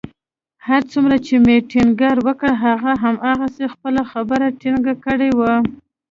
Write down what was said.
هر څومره چې مې ټينګار وکړ، هغه همهغه خپله خبره ټینګه کړې وه